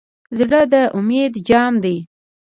زړه د امید جام دی.